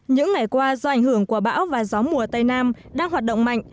những ngày qua do ảnh hưởng của bão và gió mùa tây nam đang hoạt động mạnh